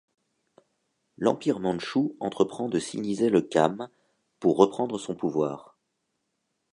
L'Empire mandchou entreprend de siniser le Kham pour reprendre son pouvoir.